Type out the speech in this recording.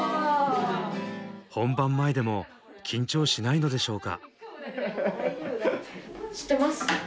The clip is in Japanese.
本番前でも緊張しないのでしょうか？